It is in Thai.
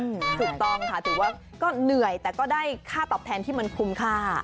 ถูกต้องค่ะถือว่าก็เหนื่อยแต่ก็ได้ค่าตอบแทนที่มันคุ้มค่า